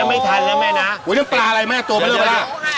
ในคนชอบกันอย่างนี้เลยหรือพี่นุ้ย